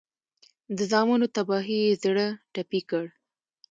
د زامنو تباهي یې زړه ټپي کړ